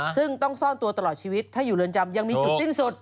ซึ่งต้องซ่อนตัวตลอดชีวิตถ้าอยู่เรือนจำยังมีจุดสิ้นสุด